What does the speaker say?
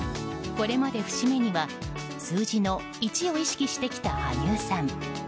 これまで、節目には数字の１を意識してきた羽生さん。